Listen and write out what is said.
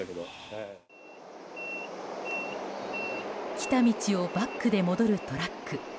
来た道をバックで戻るトラック。